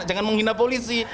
jangan menghina polisi